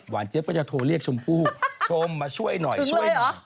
เจี๊ยบก็จะโทรเรียกชมพู่ชมมาช่วยหน่อยช่วยหน่อย